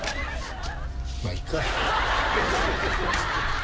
まあいっか。